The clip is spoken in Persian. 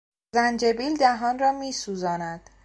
زنجبیل دهان را میسوزاند.